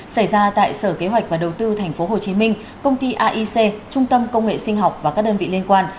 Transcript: xảy ra tại sở kế hoạch và đầu tư tp hồ chí minh công ty aic trung tâm công nghệ sinh học và các đơn vị liên quan